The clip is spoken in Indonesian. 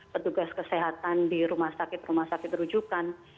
petugas kesehatan di rumah sakit rumah sakit rujukan